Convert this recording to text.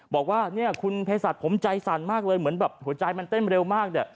บอกว่านี่คุณเพศสัตว์ผมใจสั่นมากเลยเหมือนหัวใจมันเต้นไปเร็วมาก